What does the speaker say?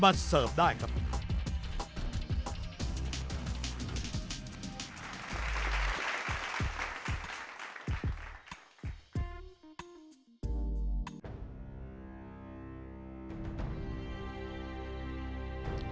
วางลินเชิญคุณยกอาหารของคุณมาเซิร์ฟก่อนครับ